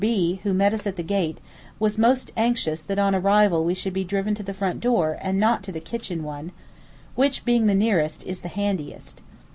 B , who met us at the gate, was most anxious that on arrival we should be driven to the front door and not to the kitchen one, which, being the nearest, is the handiest.